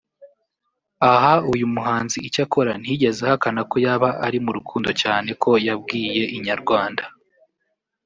Aha uyu muhanzi icyakora ntiyigeze ahakana ko yaba ari mu rukundo cyane ko yabwiye Inyarwanda